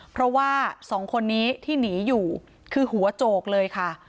เพราะว่าสองคนนี้ที่หนีอยู่คือหัวโจกเลยค่ะ